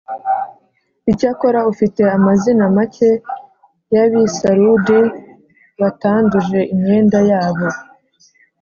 Icyakora ufite amazina make y’ab’i Sarudi batanduje imyenda yabo.